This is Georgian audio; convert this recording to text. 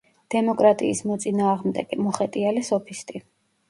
დემოკრატიის მოწინააღმდეგე, მოხეტიალე სოფისტი.